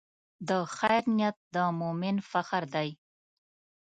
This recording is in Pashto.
د خیر نیت د مؤمن فخر دی.